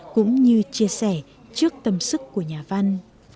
cũng như chia sẻ trước tâm sức của nhà văn